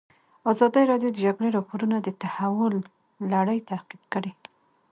ازادي راډیو د د جګړې راپورونه د تحول لړۍ تعقیب کړې.